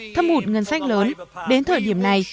thâm hụt ngân sách lớn đến thời điểm này